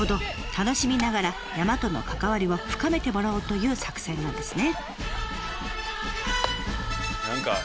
楽しみながら山との関わりを深めてもらおうという作戦なんですね。